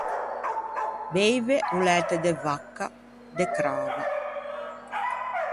Beive o læte de vacca, de crava.